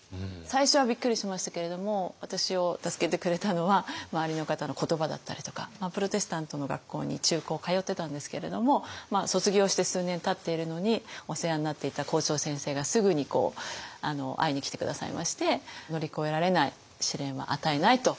最初はびっくりしましたけれども私を助けてくれたのは周りの方の言葉だったりとかプロテスタントの学校に中高通ってたんですけれども卒業して数年たっているのにお世話になっていた校長先生がすぐに会いに来て下さいまして「乗り越えられない試練は与えない」と。